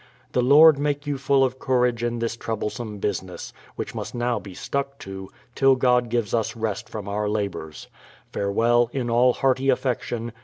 The Lord make you full of courage in this troublesome business, which must now be stuck to, till God give us rest from our labours. Farewell, in all hearty affection.